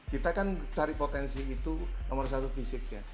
kita kan cari potensi itu nomor satu fisiknya